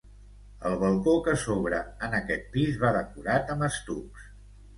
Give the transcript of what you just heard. El balcó que s'obre en aquest pis va decorat amb estucs.